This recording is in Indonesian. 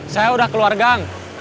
saya udah keluar gang